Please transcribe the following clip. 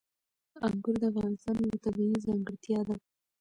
انګور د افغانستان یوه طبیعي ځانګړتیا ده.